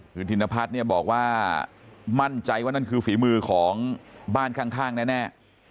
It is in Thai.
คือธินพัฒน์เนี่ยบอกว่ามั่นใจว่านั่นคือฝีมือของบ้านข้างแน่